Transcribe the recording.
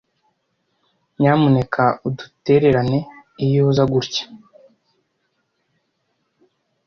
Nyamuneka udutererane iyo uza gutya.